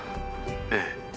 ええ。